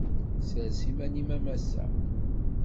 Sers iman-im a massa.